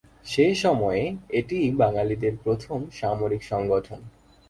সে সময়ে এটিই বাঙালিদের প্রথম সামরিক সংগঠন।